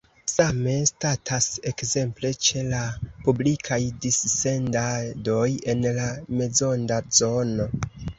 Same statas ekzemple ĉe la publikaj dissendadoj en la mezonda zono.